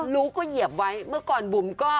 รู้ก็เหยียบไว้เมื่อก่อนบุ๋มก็